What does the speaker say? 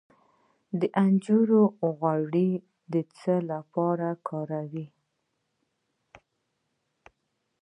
د زنجبیل غوړي د څه لپاره وکاروم؟